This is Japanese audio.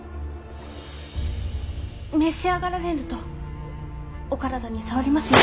召し上がられぬとお体に障りますよ！